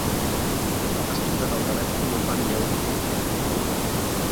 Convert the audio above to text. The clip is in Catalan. Has trucat al telèfon no fa ni deu minuts!